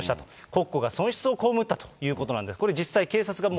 国庫が損失を被ったということなんです。